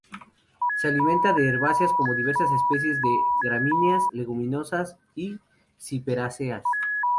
Se alimenta de herbáceas, como diversas especies de gramíneas, leguminosas, y ciperáceas.